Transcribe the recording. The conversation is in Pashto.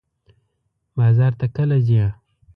بازار ته کله ځئ؟